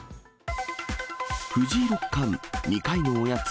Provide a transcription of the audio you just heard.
藤井六冠、２回のおやつ。